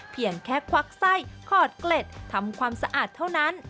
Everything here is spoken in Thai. เพียงแค่ควักไส้ขอดเกล็ดทำความสะอาดเท่านั้น